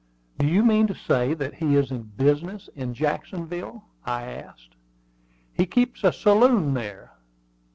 "Do you mean to say that he is in business in Jacksonville?" I asked. "He keeps a saloon there."